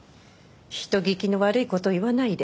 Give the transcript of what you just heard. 人聞きの悪い事言わないで。